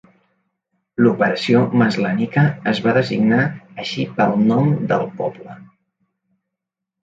L'Operació Maslenica es va designar així pel nom del poble.